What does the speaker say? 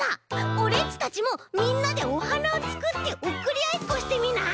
オレっちたちもみんなでおはなをつくっておくりあいっこしてみない？